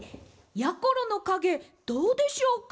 やころのかげどうでしょうか？